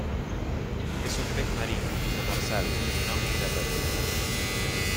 Es un pez marino, demersal, no migratorio.